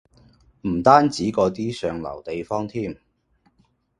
唔單止嗰啲上流地方添